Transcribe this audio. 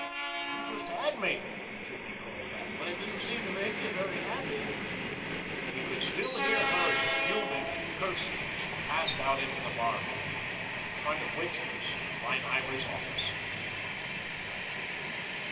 "You just had me," Jimmy called back; "but it didn't seem to make you very happy." He could still hear Murray fuming and cursing as he passed out into the barroom, at the front of which was Feinheimer's office.